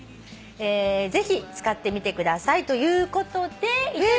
「ぜひ使ってみてください」ということで頂きました。